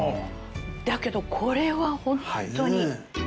だけどこれは本当に。